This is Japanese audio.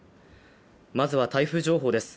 まずは台風情報です。